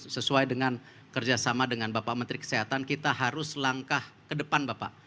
sesuai dengan kerjasama dengan bapak menteri kesehatan kita harus langkah ke depan bapak